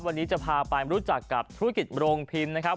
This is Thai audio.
วันนี้จะพาไปรู้จักกับธุรกิจโรงพิมพ์นะครับ